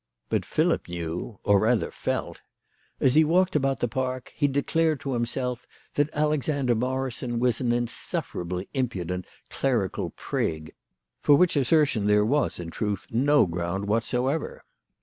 But Philip knew, or rather felt. As he walked about the park he declared to himself that Alexander Morri son was an insufferably impudent clerical prig; for which assertion there was, in truth, no ground what 118 THE LADY OF LAUNAY. soever.